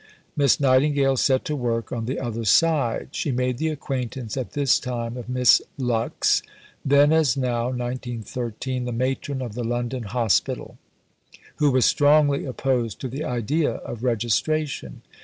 Miss Nightingale set to work on the other side. She made the acquaintance at this time of Miss Lückes, then, as now (1913), the Matron of the London Hospital, who was strongly opposed to the idea of registration.